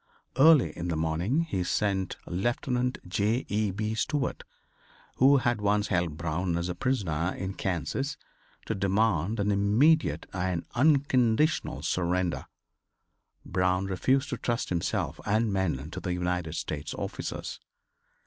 Early in the morning he sent Lieutenant J. E. B. Stuart, who had once held Brown as a prisoner in Kansas, to demand an immediate and unconditional surrender. Brown refused to trust himself and men to the United States officers.